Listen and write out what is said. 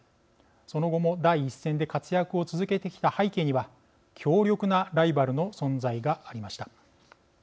その後も第一線で活躍を続けてきた背景には強力なライバルの存在がありました。